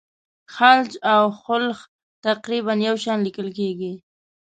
خلج او خُلُّخ تقریبا یو شان لیکل کیږي.